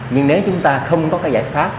nhưng nếu chúng ta không có cái giải pháp